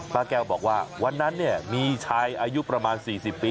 ป้าแก้วบอกว่าวันนั้นเนี่ยมีชายอายุประมาณ๔๐ปี